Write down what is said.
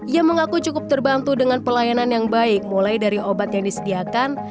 ia mengaku cukup terbantu dengan pelayanan yang baik mulai dari obat yang disediakan